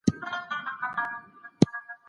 د خپل ښايسته خيال پر رنګينه پاڼه